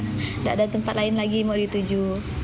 tidak ada tempat lain lagi mau dituju